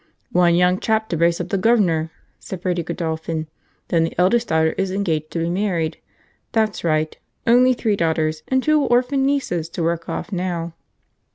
"One young chap to brace up the gov'nor," said Bertie Godolphin. "Then the eldest daughter is engaged to be married; that's right; only three daughters and two h'orphan nieces to work off now!"